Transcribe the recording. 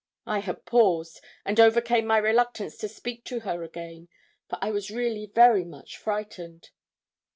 I had paused, and overcame my reluctance to speak to her again, for I was really very much frightened.